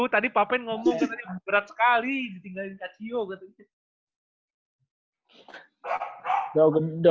tadi papen ngomongnya tadi berat sekali ditinggalin kak cio